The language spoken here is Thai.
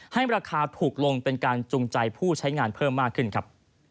ให้ราคาถูกลงเป็นการจุงใจผู้ใช้งานเพิ่มมากขึ้นครับ